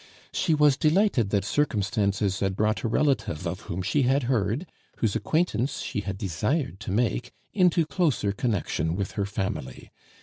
"She was delighted that circumstances had brought a relative, of whom she had heard, whose acquaintance she had desired to make, into closer connection with her family.